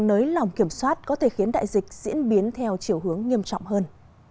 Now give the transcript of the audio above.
nới lỏng kiểm soát có thể khiến đại dịch diễn biến theo chiều hướng nghiêm trọng hơn